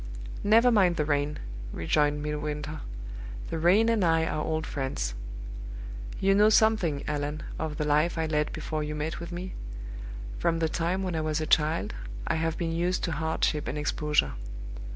"Never mind the rain," rejoined Midwinter. "The rain and I are old friends. You know something, Allan, of the life I led before you met with me. From the time when I was a child, I have been used to hardship and exposure.